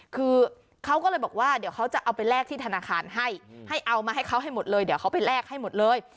คือเขาก็เลยบอกว่าเดี๋ยวเขาจะเอาไปแลกที่ธนาคารให้ให้เอามาให้เขาให้หมดเลย